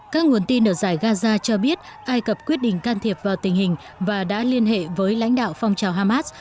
các nguồn tin ở giải gaza cho biết ai cập quyết định can thiệp vào tình hình và đã liên hệ với lãnh đạo phong trào hamas